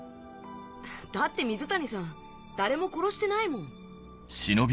だって水谷さん誰も殺してないもん。